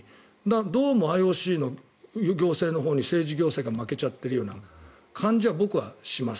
どうもＩＯＣの行政のほうに政治行政が負けちゃってる感じが僕はします。